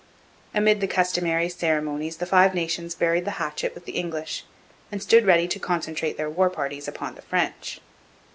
Amid the customary ceremonies the Five Nations buried the hatchet with the English, and stood ready to concentrate their war parties upon the French.